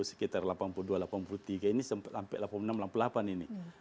sekitar delapan puluh dua delapan puluh tiga ini sampai delapan puluh enam delapan puluh delapan ini